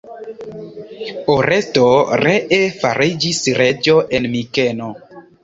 Oresto ree fariĝis reĝo en Mikeno.